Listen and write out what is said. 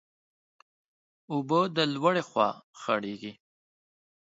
اوبه د لوړي خوا خړېږي.